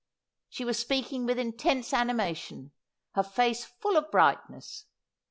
She was speaking with intense animation, her face full of brightness.